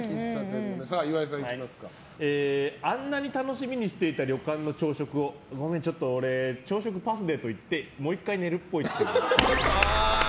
あんなに楽しみにしていた旅館の朝食をごめん、ちょっと俺朝食パスでって言ってもう１回寝るっぽい。